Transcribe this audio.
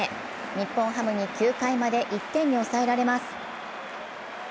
日本ハムに９回まで１点に抑えられます。